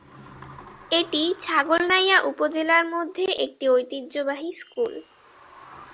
এটি ছাগলনাইয়া উপজেলার মধ্যে একটি ঐতিহ্যবাহী স্কুল।